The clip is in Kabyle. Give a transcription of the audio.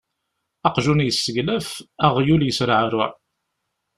Aqjun yesseglaf, aɣyul yesreɛruɛ.